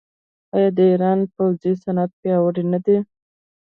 آیا د ایران پوځي صنعت پیاوړی نه دی؟